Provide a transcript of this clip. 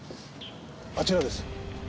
あちらです。